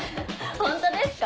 ホントですか？